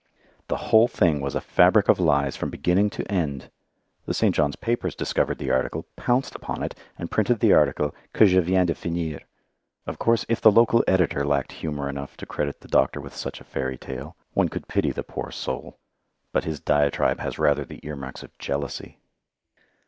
The whole thing was a fabric of lies from beginning to end. The St. John's papers discovered the article, pounced upon it, and printed the article "que je viens de finir." Of course, if the local editor lacked humour enough to credit the doctor with such a fairy tale, one could pity the poor soul, but his diatribe has rather the earmarks of jealousy.